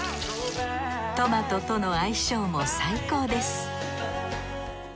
トマトとの相性も最高です